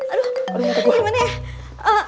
aduh gimana ya